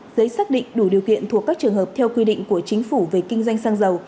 giấy xác định đủ điều kiện thuộc các trường hợp theo quy định của chính phủ về kinh doanh xăng dầu